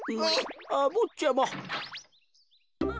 あっぼっちゃま。